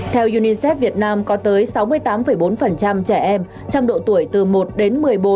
theo unicef việt nam có tới sáu mươi tám bốn trẻ em trong độ tuổi từ một đến một mươi bốn